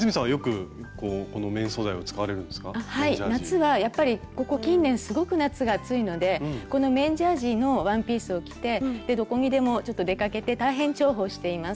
夏はやっぱりここ近年すごく夏が暑いのでこの綿ジャージーのワンピースを着てどこにでもちょっと出かけて大変重宝しています。